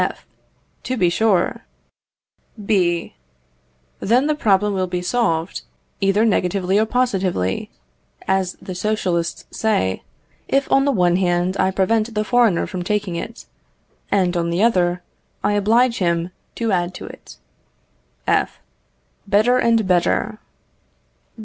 F.. To be sure. B. Then the problem will be solved, either negatively or positively, as the Socialists say, if on the one hand I prevent the foreigner from taking from it, and on the other I oblige him to add to it. F. Better and better.